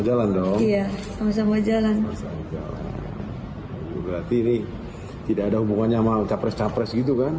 berarti ini tidak ada hubungannya sama capres capres gitu kan